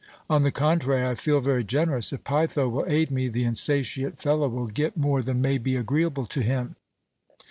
"On the contrary. I feel very generous. If Peitho will aid me, the insatiate fellow will get more than may be agreeable to him."